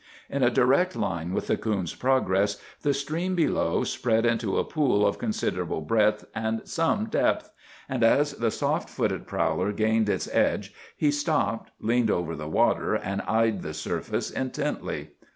In a direct line with the coon's progress, the stream below spread into a pool of considerable breadth and some depth, and as the soft footed prowler gained its edge he stopped, leaned over the water, and eyed the surface intently.